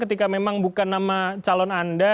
ketika memang bukan nama calon anda